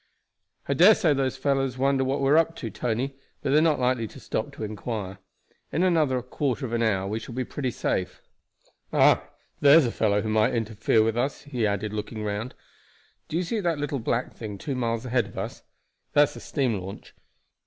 "I dare say those fellows wonder what we are up to, Tony; but they are not likely to stop to inquire. In another quarter of an hour we shall be pretty safe. Ah! there's a fellow who might interfere with us," he added looking round. "Do you see that little black thing two miles ahead of us? that's a steam launch.